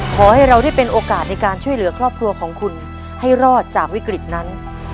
ขอให้เราได้เป็นโอกาสในการช่วยเหลือครอบครัวของคุณให้รอดจากวิกฤตนั้น